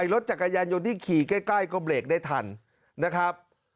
รถจักรยานยนต์ที่ขี่ใกล้ก็เบรกได้ทันนะครับ